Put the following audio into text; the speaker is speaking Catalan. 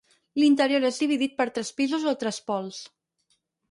L'interior és dividit per tres pisos o trespols.